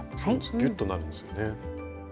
ぎゅっとなるんですよね。